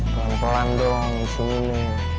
pelan pelan dong disini